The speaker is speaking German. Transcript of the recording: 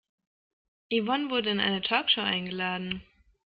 Yvonne wurde in eine Talkshow eingeladen.